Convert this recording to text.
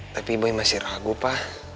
tapi boy masih ragu pa